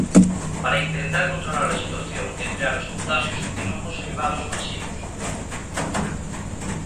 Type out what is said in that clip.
Para intentar controlar a situación e frear os contaxios continúan os cribados masivos.